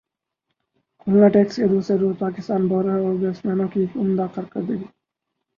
کھلنا test کے دوسرے روز پاکستانی بالرزاور بیٹسمینوں کی عمدہ کارکردگی